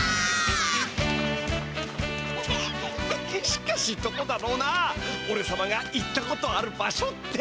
しかしどこだろうなおれさまが行ったことある場所って？